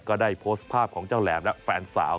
ก็ได้โพสต์ภาพของเจ้าแหลมและแฟนสาว